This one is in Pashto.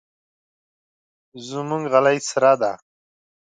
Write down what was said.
زموږ غالۍ سره ده.